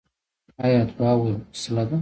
آیا دعا وسله ده؟